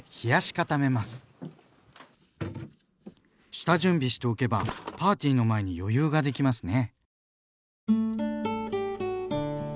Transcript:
下準備しておけばパーティーの前に余裕ができますね。